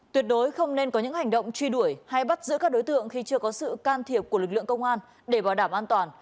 tuyệt đối không nên có những hành động truy đuổi hay bắt giữ các đối tượng khi chưa có sự can thiệp của lực lượng công an để bảo đảm an toàn